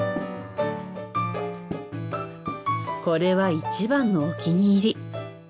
これは一番のお気に入り。